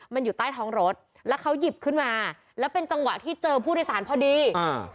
มันอยู่ใต้ท้องรถแล้วเขาหยิบขึ้นมาแล้วเป็นจังหวะที่เจอผู้โดยสารพอดีอ่า